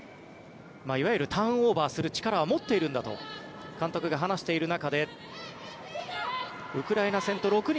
いわゆるターンオーバーする力は持っているんだと監督が話している中でウクライナ戦と６人